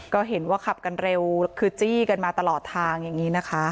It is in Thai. ก็เห็นว่าขับกันเร็วคือจี้กันมาตลอดทางอย่างนี้นะคะ